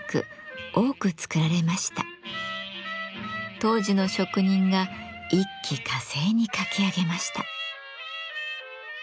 当時の職人が一気呵成に描き上げました。